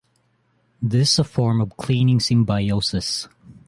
This is a form of cleaning symbiosis.